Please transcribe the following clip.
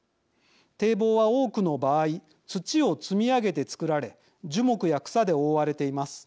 堤防は多くの場合土を積み上げて作られ樹木や草で覆われています。